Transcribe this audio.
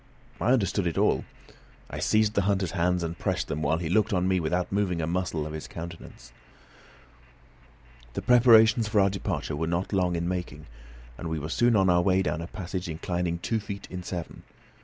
I understood it all. I seized the hunter's hands, and pressed them while he looked on me without moving a muscle of his countenance. The preparations for our departure were not long in making, and we were soon on our way down a passage inclining two feet in seven.